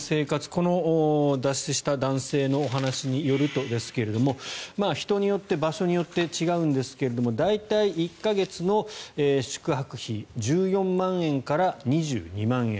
この脱出した男性の話によるとですが人によって、場所によって違うんですけど大体、１か月の宿泊費１４万円から２２万円。